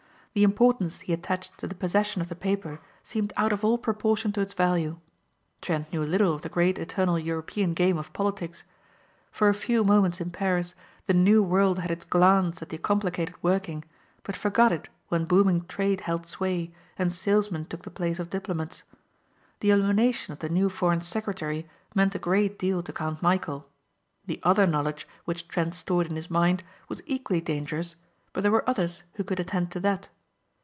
The importance he attached to the possession of the paper seemed out of all proportion to its value. Trent knew little of the great eternal European game of politics. For a few moments in Paris the New World had its glance at the complicated working but forgot it when booming trade held sway and salesmen took the place of diplomats. The elimination of the new Foreign Secretary meant a great deal to Count Michæl. The other knowledge which Trent stored in his mind was equally dangerous but there were others who could attend to that.